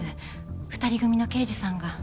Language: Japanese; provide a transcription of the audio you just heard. ２人組の刑事さんが。